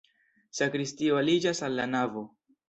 Sakristio aliĝas al la navo.